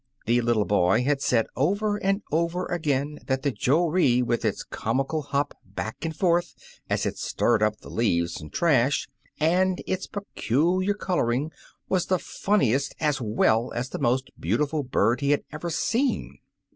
The little boy had said over and over again that the joree, with its comical hop, back and forth, as it stirred up the leaves and trash, and its peculiar coloring, was the funniest as well as the most beautiful bird he had ever seen.